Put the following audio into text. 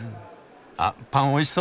あパンおいしそう！